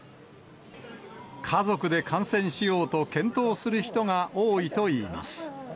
家族で観戦しようと検討する人が多いといいます。